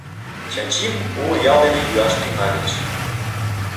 Чачим уло ял дене йӱаш тӱҥальыч...